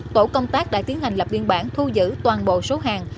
tổ công tác đã tiến hành lập biên bản thu giữ toàn bộ số hàng